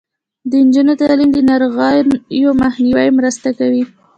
د نجونو تعلیم د ناروغیو مخنیوي مرسته کوي.